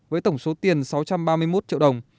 với tổng số tiền sáu trăm ba mươi một triệu đồng